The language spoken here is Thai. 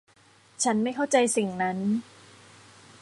ฉันไม่เข้าใจสิ่งนั้น